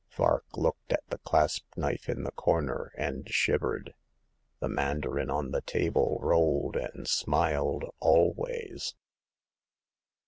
Vark looked at the clasp knife in the corner and shivered. The mandarin on the table rolled and smiled always.